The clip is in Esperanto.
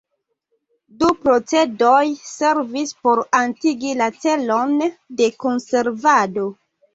Du procedoj servis por atingi la celon de konservado.